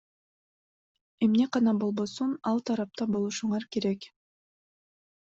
Эмне гана болбосун ал тарапта болушуңар керек.